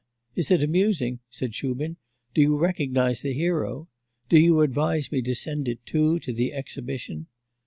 'Eh? is it amusing?' said Shubin. 'Do you recognise the hero? Do you advise me to send it too to the exhibition?